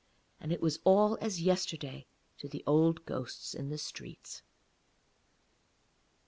And it was all as yesterday to the old ghosts in the streets.